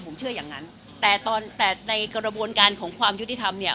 ผมเชื่ออย่างนั้นแต่ตอนแต่ในกระบวนการของความยุติธรรมเนี่ย